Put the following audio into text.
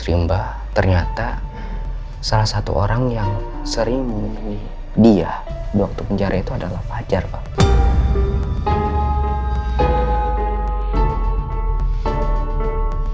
vimba ternyata salah satu orang yang sering menemui dia di waktu penjara itu adalah fajar pak